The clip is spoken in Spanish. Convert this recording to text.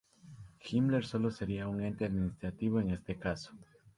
Himmler solo sería un ente administrativo en este caso.